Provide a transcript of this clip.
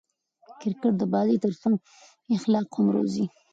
کرکټ د بازي ترڅنګ اخلاق هم روزي.